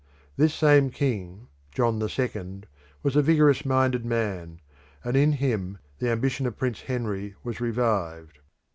This same king, John the second, was a vigorous minded man, and in him the ambition of Prince Henry was revived.